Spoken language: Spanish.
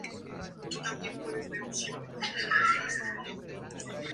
La madera se usa para la construcción en general.